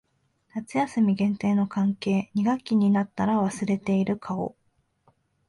夏休み限定の関係。二学期になったら忘れている顔。